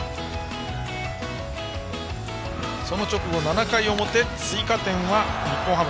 その直後、７回表追加点は日本ハム。